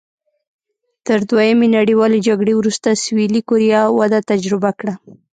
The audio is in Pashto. تر دویمې نړیوالې جګړې وروسته سوېلي کوریا وده تجربه کړه.